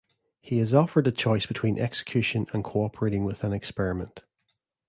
He is offered a choice between execution and cooperating with an experiment.